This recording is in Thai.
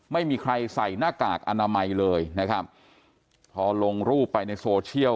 ไม่มีใครใส่หน้ากากอนามัยเลยนะครับพอลงรูปไปในโซเชียล